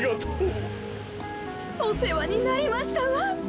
おせわになりましたわ。